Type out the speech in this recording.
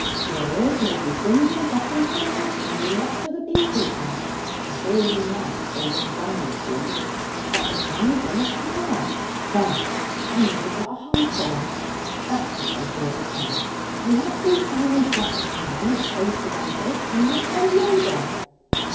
Your ears may be dinned and deafened for life, and you lost to the bee keeping (for hear you must, or you'm done, with bees), but the band dunna care! There! Now they've got a hencore that's to say, do it agen; and every time they get one of them it goes to their yeads, and they play louder.'